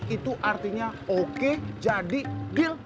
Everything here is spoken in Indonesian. itu artinya oke jadi deal